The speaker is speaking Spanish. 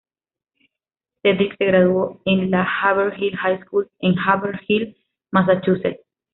Cedric se graduó en la Haverhill High School en Haverhill, Massachusetts.